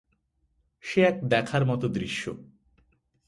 সে এক দেখার মতো দৃশ্য!